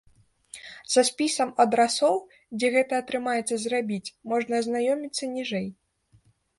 Са спісам адрасоў, дзе гэта атрымаецца зрабіць, можна азнаёміцца ніжэй.